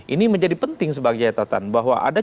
ini menjadi penting sebagai catatan bahwa ada